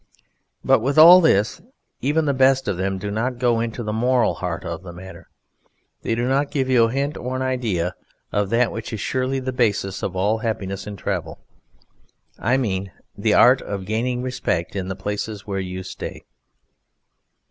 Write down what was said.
But with all this even the best of them do not go to the moral heart of the matter. They do not give you a hint or an idea of that which is surely the basis of all happiness in travel. I mean, the art of gaining respect in the places where you stay.